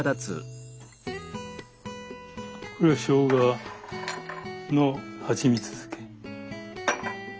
これはしょうがのはちみつ漬け。